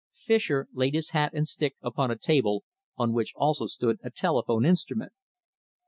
Fischer laid his hat and stick upon a table, on which also stood a telephone instrument.